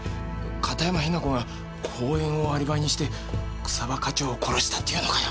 片山雛子が講演をアリバイにして草葉課長を殺したっていうのかよ。